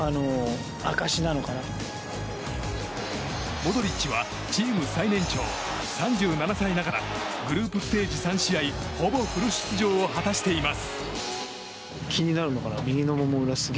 モドリッチはチーム最年長３７歳ながらグループステージ３試合ほぼフル出場を果たしています。